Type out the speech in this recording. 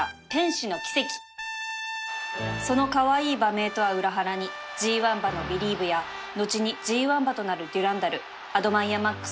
そのカワイイ馬名とは裏腹に ＧⅠ 馬のビリーヴや後に ＧⅠ 馬となるデュランダルアドマイヤマックスなどを退けて優勝